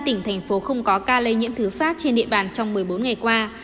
có một mươi ba tỉnh thành phố không có ca lây nhiễm thứ phát trên địa bàn trong một mươi bốn ngày qua